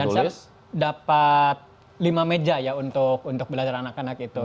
dan saya dapat lima meja ya untuk belajar anak anak itu